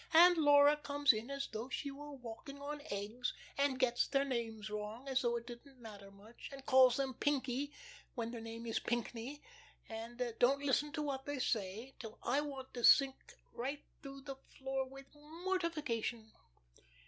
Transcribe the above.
And Laura comes in as though she were walking on eggs, and gets their names wrong, as though it didn't much matter, and calls them Pinky when their name is Pinckney, and don't listen to what they say, till I want to sink right through the floor with mortification."